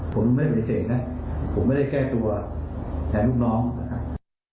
ผมไม่ปฏิเสธนะผมไม่ได้แก้ตัวแทนลูกน้องนะครับ